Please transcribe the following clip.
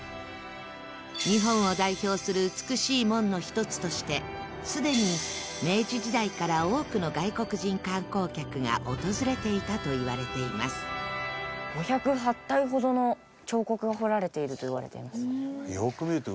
日本を代表する美しい門の一つとしてすでに明治時代から多くの外国人観光客が訪れていたといわれていますが彫られているといわれています。